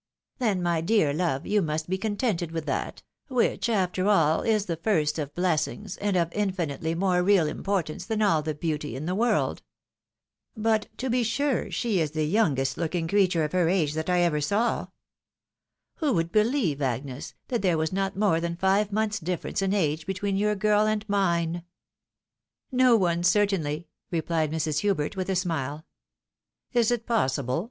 " Then, my dear love, you must be contented with that — which after all is the first of blessings, and of infinitely more real importance, than all the beauty in the world. But, to be sure, she is the youngest looking creature of her age that I ever 103 THE WIDOW MARRIED. saw. Who would believe, Agnes, that there was not more than five months difference in age between your girl and mine." "No one, certainly," replied Mrs. Hubert, with a smile. " Is it possible